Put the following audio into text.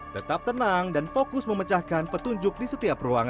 tetap tenang dan fokus memecahkan petunjuk di setiap ruangan